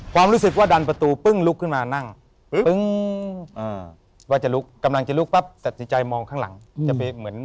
ความรู้สึกกว่าดันประตูปึ้งลุกขึ้นมานั่งปึ๊้น